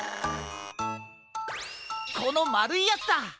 このまるいヤツだ！